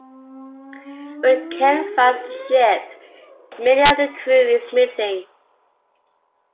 When Ken finds the ship, many of the crew is missing.